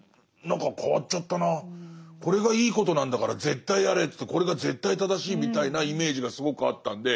これがいいことなんだから絶対やれってこれが絶対正しいみたいなイメージがすごくあったんで。